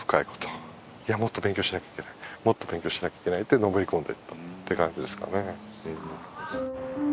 「いやもっと勉強しなきゃいけないもっと勉強しなきゃいけない」ってのめり込んでいったって感じですかね。